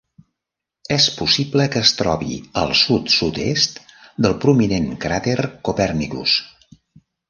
És possible que es trobi al sud-sud-est del prominent cràter Copernicus.